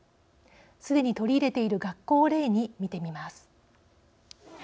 すでに取り入れている学校を例に見てみます。